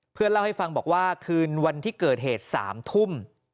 เล่าให้ฟังบอกว่าคืนวันที่เกิดเหตุ๓ทุ่ม